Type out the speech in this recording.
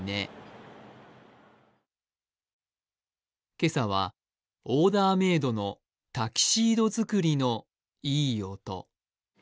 今朝はオーダーメードのタキシード作りのいい音。